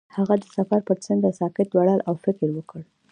هغه د سفر پر څنډه ساکت ولاړ او فکر وکړ.